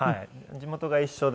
地元が一緒で。